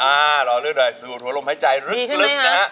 อ่ารอลึกสู่หัวลมหายใจลึกนะ